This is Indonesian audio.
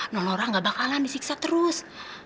non lora gak bakalan disiksa terus